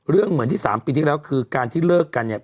เหมือนที่๓ปีที่แล้วคือการที่เลิกกันเนี่ย